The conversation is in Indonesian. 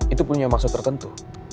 itu punya maksud tertentu